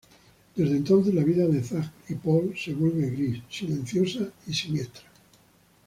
Desde entonces, la vida de Zach y Paul se vuelve gris, silenciosa y siniestra.